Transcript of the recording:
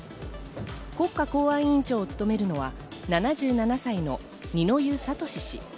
国家公安委員長を務めるのは７７歳の二之湯智氏。